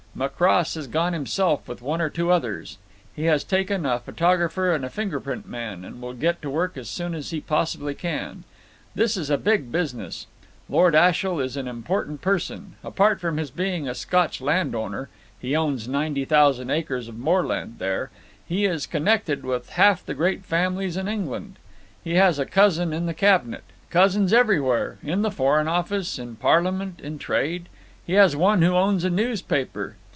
"Macross has gone himself with one or two others. He has taken a photographer and a finger print man, and will get to work as soon as he possibly can. This is a big business. Lord Ashiel is an important person; apart from his being a Scotch landowner he owns 90,000 acres of moorland there he is connected with half the great families in England. He has a cousin in the Cabinet; cousins everywhere, in the Foreign Office, in Parliament, in trade; he has one who owns a newspaper.